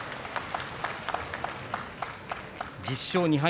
１０勝２敗